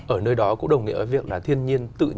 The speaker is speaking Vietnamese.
ở nơi đó cũng đồng nghĩa với việc là thiên nhiên tự nhiên